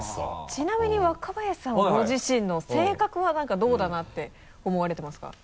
ちなみに若林さんはご自身の性格はどうだなって思われてますか？